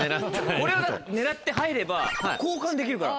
狙って入れば交換できるから。